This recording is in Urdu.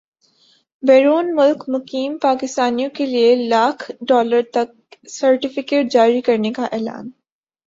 بیرون ملک مقیم پاکستانیوں کیلئے لاکھ ڈالر تک کے سرٹفکیٹ جاری کرنے کا اعلان